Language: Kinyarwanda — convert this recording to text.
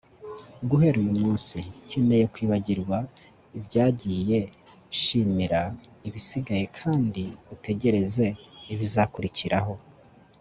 guhera uyu munsi, nkeneye kwibagirwa ibyagiye shimira ibisigaye kandi utegereze ibizakurikiraho